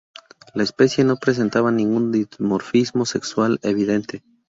La especie no presentaba ningún dimorfismo sexual evidente.